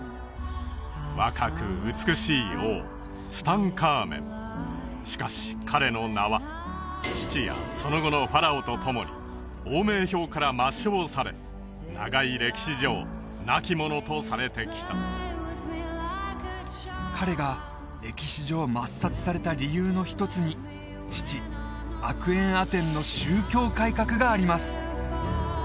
若く美しい王ツタンカーメンしかし彼の名は父やその後のファラオと共に王名表から抹消され長い歴史上なきものとされてきた彼が歴史上抹殺された理由の一つに父アクエンアテンの宗教改革があります